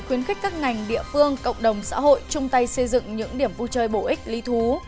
khuyến khích các ngành địa phương cộng đồng xã hội chung tay xây dựng những điểm vui chơi bổ ích lý thú